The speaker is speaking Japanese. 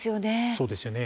そうなんですよね。